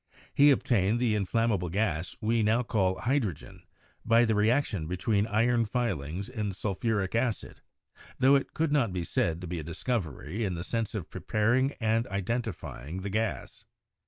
He obtained the in flammable gas we now call hydrogen by the reaction be tween iron filings and sulphuric acid, tho it could not be said to be a discovery in the sense of preparing and iden tifying the gas.